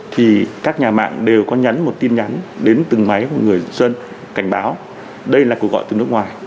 thì các nhà mạng đều có nhắn một tin nhắn đến từng máy của người dân cảnh báo đây là cuộc gọi từ nước ngoài